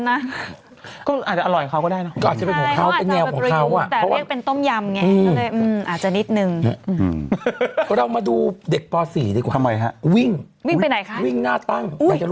นี่เป็นต้มยามกุ้งเขาว่างั้น